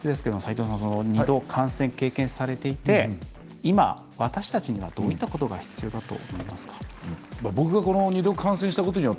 改めて、斉藤さん二度感染を経験されていて今、私たちにはどういったことが必要だと思いますか。